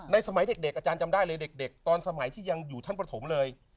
สมัยเด็กอาจารย์จำได้เลยเด็กตอนสมัยที่ยังอยู่ท่านประถมเลย